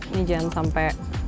ini jangan sampai